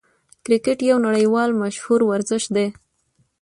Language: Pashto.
کرکټ یو نړۍوال مشهور ورزش دئ.